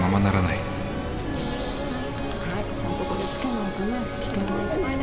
はいちゃんとこれつけないとね。